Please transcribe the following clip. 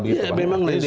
iya memang lain soal